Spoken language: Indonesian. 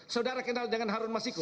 saudara kenal dengan harun masiku